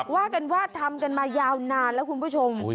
ว่ากันว่าทำกันมายาวนานแล้วคุณผู้ชม